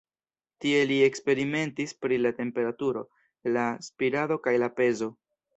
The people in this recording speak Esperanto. Tie li eksperimentis pri la temperaturo, la spirado kaj la pezo.